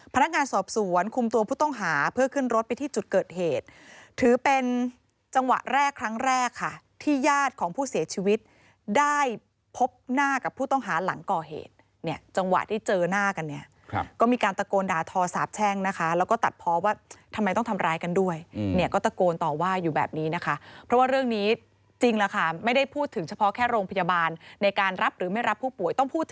พนักงานสอบสวนคุมตัวผู้ต้องหาเพื่อขึ้นรถไปที่จุดเกิดเหตุถือเป็นจังหวะแรกครั้งแรกค่ะที่ญาติของผู้เสียชีวิตได้พบหน้ากับผู้ต้องหาหลังก่อเหตุเนี่ยจังหวะที่เจอหน้ากันเนี่ยก็มีการตะโกนด่าทอสาบแช่งนะคะแล้วก็ตัดพ้อว่าทำไมต้องทำร้ายกันด้วยเนี่ยก็ตะโกนต่อว่าอยู่แบบนี้นะคะเพราะว